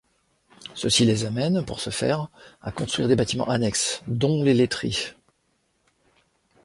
Ceci les amène, pour ce faire, à construire des bâtiments annexes, dont les laiteries.